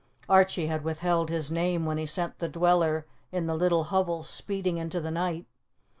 Archie had withheld his name when he sent the dweller in the little hovel speeding into the night.